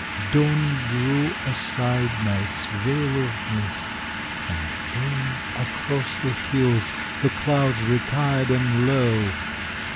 Dawn drew aside night's veil of mist, and came Across the hills. The clouds retired, and lo!